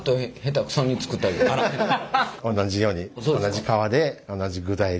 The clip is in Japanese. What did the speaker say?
同じように同じ皮で同じ具材で。